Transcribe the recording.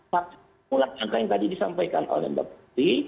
empat pulang angka yang tadi disampaikan oleh mbak putri